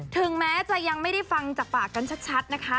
ถึงแม้จะยังไม่ได้ฟังจากปากกันชัดนะคะ